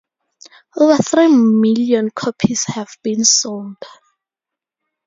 Over three million copies have been sold.